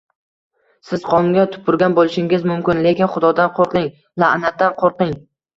Siz qonunga tupurgan bo'lishingiz mumkin, lekin Xudodan qo'rqing, la'natdan qo'rqing